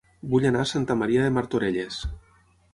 Vull anar a Santa Maria de Martorelles